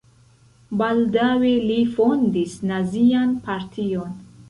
Baldaŭe li fondis nazian partion.